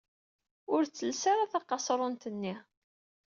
Ur ttelles ara taqaṣrunt-nni!